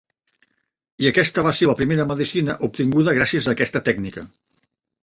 I aquesta va ser la primera medicina obtinguda gràcies a aquesta tècnica.